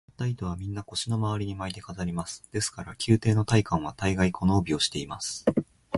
もらった糸は、みんな腰のまわりに巻いて飾ります。ですから、宮廷の大官は大がい、この帯をしています。